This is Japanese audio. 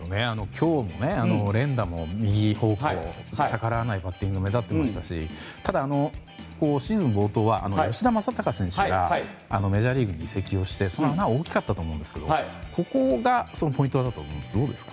今日の連打も右方向、逆らわないバッティングが目立ってましたしただ、シーズン冒頭は吉田正尚選手がメジャーリーグに移籍をしてその穴は大きかったと思うんですけどここがポイントだと思うんですがどうですか？